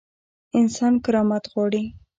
انسان کرامت غواړي